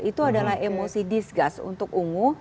itu adalah emosi disgust untuk ungu